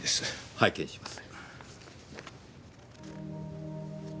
拝見します。